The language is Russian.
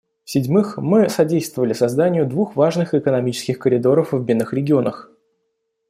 В-седьмых, мы содействовали созданию двух важных экономических коридоров в бедных регионах.